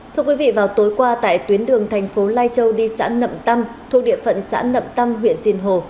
thưa quý vị vào tối qua tại tuyến đường thành phố lai châu đi xã nậm tâm thuộc địa phận xã nậm tâm huyện sìn hồ